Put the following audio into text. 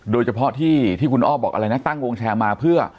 โดยเฉพาะที่คุณอ้อบอกอะไรนะตั้งวงแชร์มาเพื่อ